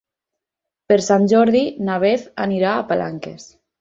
Per Sant Jordi na Beth anirà a Palanques.